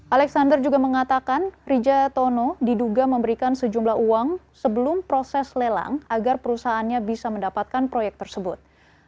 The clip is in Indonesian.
alexander juga mengatakan rija tono diduga memberikan sejumlah uang sebelum proses lelang agar perusahaannya bisa mendapatkan proyek tersebut